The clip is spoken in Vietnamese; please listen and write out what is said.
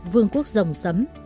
vương quốc rồng sấm